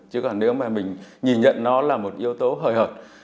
chứ còn nếu mà mình nhìn nhận nó là một yếu tố hời hợt